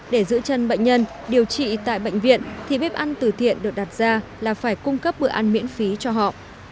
để giữ chân bệnh nhân điều trị tại bệnh viện thì bếp ăn từ thiện được đặt ra là phải cung cấp bữa ăn miễn phí cho họ